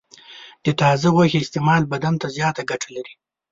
د تازه غوښې استعمال بدن ته زیاته ګټه لري.